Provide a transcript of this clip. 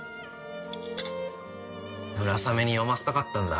ムラサメに読ませたかったんだ